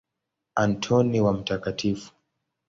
Antoni wa Mt.